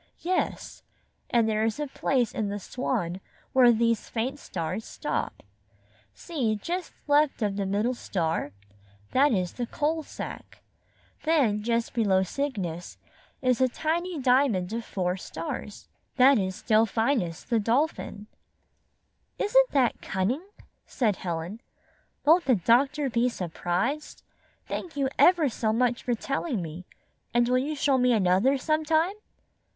"Yes, and there is a place in the Swan where these faint stars stop. See, just left of the 42 middle star? That is the Coal Sack. Then just below Cygnus is a tiny diamond of four stars. That is Delphinus, the Dolphin." "Isn't that cunning?" said Helen. "Won't the doctor be surprised? Thank you ever so much for telling me, and will you show me another sometime?"